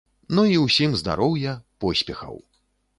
Ну і ўсім здароўя, поспехаў.